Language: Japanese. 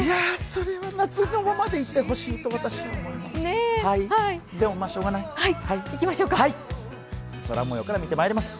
それは夏のままでいてほしいと思います。